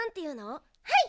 はい！